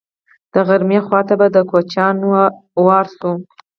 د غرمې خوا ته به د کوچیانو وار شو.